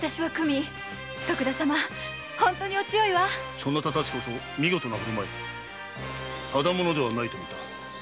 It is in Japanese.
そなたたちこそ見事な振る舞いただ者ではないとみた。